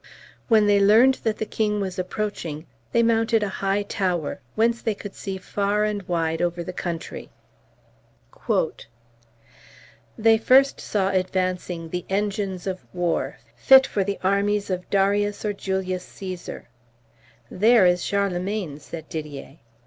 When they learned that the king was approaching they mounted a high tower, whence they could see far and wide over the country. "They first saw advancing the engines of war, fit for the armies of Darius or Julius Caesar. 'There is Charlemagne,' said Didier.